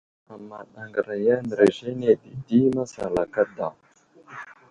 Amaɗ agəra mərez ane dədi masalaka daw.